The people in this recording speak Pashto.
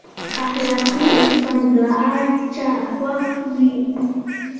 اخلاقي انسان د هر چا خوښ وي.